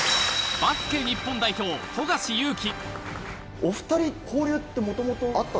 バスケ日本代表・富樫勇樹。